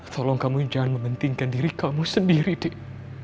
tolong kamu jangan mementingkan diri kamu sendiri dik